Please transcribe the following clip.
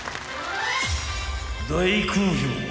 ［大好評！］